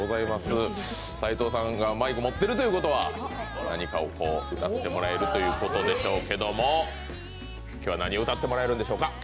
斎藤さんがマイクを持っているということは、何かを歌ってもらえるということでしょうけど今日は何を歌ってもらえるんでしょうか？